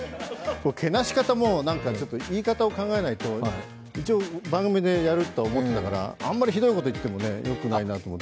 けなし方も言い方を考えないと、一応、番組でやるとは思ってたからあまりひどいこと言ってもよくないなと思って。